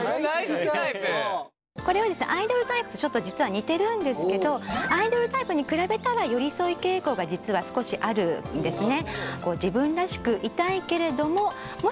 これはですねアイドルタイプとちょっと実は似てるんですけどアイドルタイプに比べたら寄り添い傾向が実は少しあるんですね。